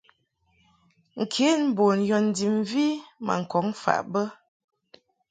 Nkenbun yɔ ndib mvi ma ŋkɔŋ faʼ bə.